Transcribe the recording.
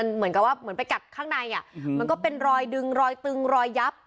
เหมือนกับว่าเหมือนไปกัดข้างในอ่ะมันก็เป็นรอยดึงรอยตึงรอยยับ